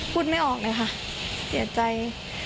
พูดไม่ออกเลยค่ะเสียใจ